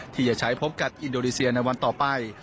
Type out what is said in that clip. ที่จะใช้พบกับอินโดนีเซียในวันต่อไป